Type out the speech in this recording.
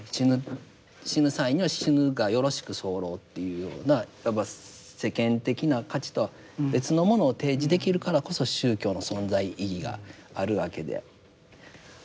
死ぬ際には死ぬがよろしく候というようなやっぱり世間的な価値とは別のものを提示できるからこそ宗教の存在意義があるわけであるんですが。